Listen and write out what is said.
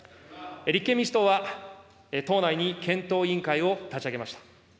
立憲民主党は、党内に検討委員会を立ち上げました。